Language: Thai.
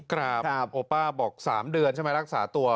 ครับโอป้าบอก๓เดือนใช่ไหมรักษาตัว